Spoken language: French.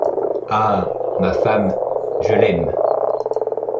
Ah ! ma femme, je l’aime.